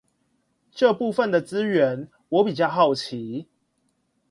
這部分的資源我比較好奇